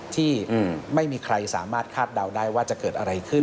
ที่ไม่มีใครสามารถคาดเดาได้ว่าจะเกิดอะไรขึ้น